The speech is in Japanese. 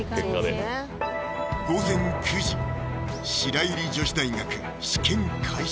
切り替えで午前９時白百合女子大学試験開始